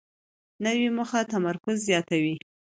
نوې موخه تمرکز زیاتوي